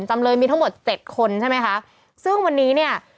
จำเลยมีทั้งหมดเจ็ดคนใช่ไหมคะซึ่งวันนี้เนี่ย